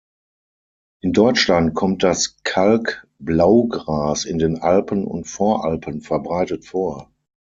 In Deutschland kommt das Kalk-Blaugras in den Alpen und Voralpen verbreitet vor.